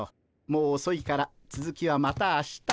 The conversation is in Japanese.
もうおそいからつづきはまた明日に。